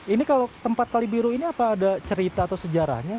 ini kalau tempat kali biru ini apa ada cerita atau sejarahnya